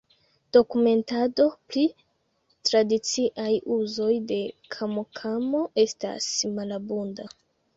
Dokumentado pri tradiciaj uzoj de kamokamo estas malabunda.